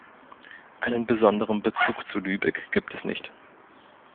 Einen besonderen Bezug zu Lübeck gibt es nicht.